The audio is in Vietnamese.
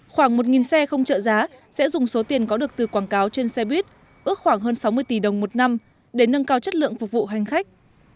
khoảng một xe không trợ giá sẽ dùng số tiền có được từ quảng cáo trên xe buýt ước khoảng hơn sáu mươi tỷ đồng một năm để nâng cao chất lượng phục vụ hành khách